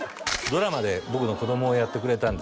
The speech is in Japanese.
ドラマで僕の子供をやってくれたんですよ